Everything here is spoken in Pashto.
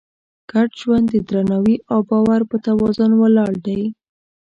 ګډ ژوند د درناوي او باور په توازن ولاړ دی.